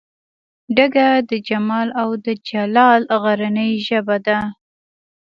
ډکه د جمال او دجلال غرنۍ ژبه ده